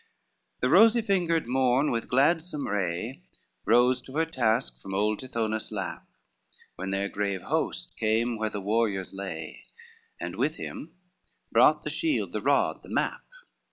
I The rosy fingered morn with gladsome ray Rose to her task from old Tithonus' lap When their grave host came where the warriors lay, And with him brought the shield, the rod, the map.